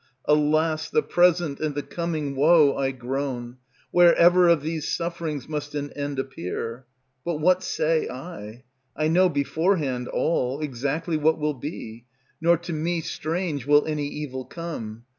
alas! the present and the coming Woe I groan; where ever of these sufferings Must an end appear. But what say I? I know beforehand all, Exactly what will be, nor to me strange Will any evil come.